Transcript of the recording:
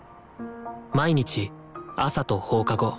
毎日朝と放課後